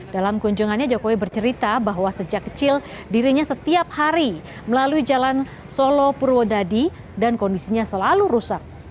dalam kunjungannya jokowi bercerita bahwa sejak kecil dirinya setiap hari melalui jalan solo purwodadi dan kondisinya selalu rusak